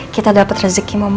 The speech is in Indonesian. kita dapat rezeki ngomongan ya